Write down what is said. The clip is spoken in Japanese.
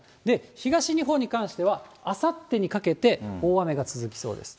東日本に関しては、あさってにかけて大雨が続きそうです。